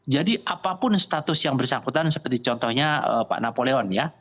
jadi apapun status yang bersangkutan seperti contohnya pak napoleon ya